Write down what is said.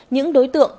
những đối tượng